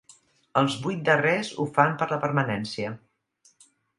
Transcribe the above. Els vuit darrers ho fan per la permanència.